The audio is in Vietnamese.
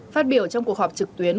phát biểu trong cuộc họp trực tuyến